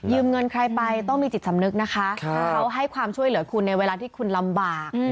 เงินใครไปต้องมีจิตสำนึกนะคะเขาให้ความช่วยเหลือคุณในเวลาที่คุณลำบาก